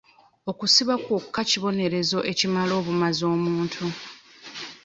Okusiba kwokka kibonerezo ekimala obumazi omuntu.